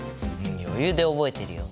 余裕で覚えてるよ。